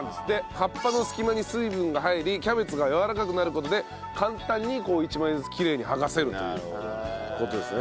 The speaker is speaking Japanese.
葉っぱの隙間に水分が入りキャベツがやわらかくなる事で簡単に１枚ずつきれいに剥がせるという事ですね。